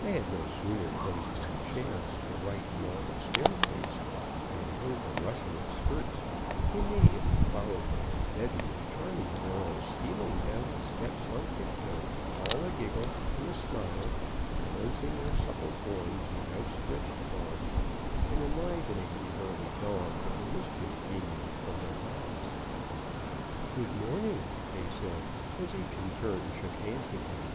I had no sooner placed my chair at the right marble staircase than I heard the rustle of skirts, immediately followed by a bevy of charming girls stealing down the steps on tip toe, all a giggle and a smile, balancing their supple forms with outstretched arms, and enlivening the early dawn with the mischief beaming from their eyes. "Good morning," they said, as each in turn shook hands with me.